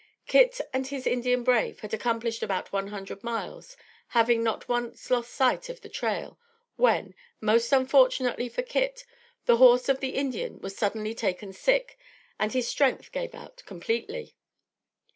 Kit and his Indian brave had accomplished about one hundred miles, having, not once, lost sight of the trail, when, most unfortunately for Kit, the horse of the Indian was suddenly taken sick and his strength gave out completely.